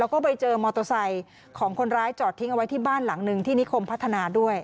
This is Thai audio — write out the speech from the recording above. แล้วก็ไปเจอมอเตอร์ไซค์ของคนร้ายจอดทิ้งเอาไว้ที่บ้านหลังหนึ่งที่นิคมพัฒนาด้วย